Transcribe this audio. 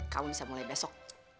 kamu bisa mulai besok